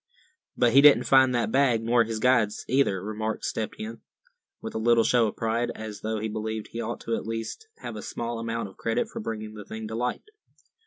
"But he didn't find that bag, nor his guides either," remarked Step Hen, with a little show of pride; as though he believed he ought to at least have a small amount of credit for bringing the thing to light.